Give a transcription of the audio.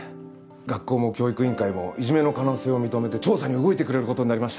学校も教育委員会もいじめの可能性を認めて調査に動いてくれることになりました。